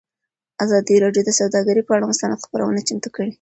ازادي راډیو د سوداګري پر اړه مستند خپرونه چمتو کړې.